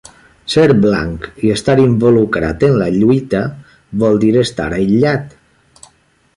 Ser blanc i estar involucrat en la lluita vol dir estar aïllat.